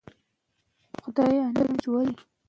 زده کوونکي اوس خپل کتابونه لولي.